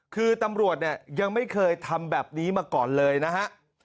คือตำรวจเนี่ยยังไม่เคยทำแบบนี้มาก่อนเลยนะฮะ